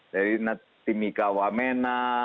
jadi timika wamena